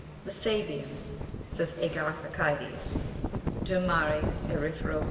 "The Sabæans," says Agatharchides ("De Mari Erythræo," p.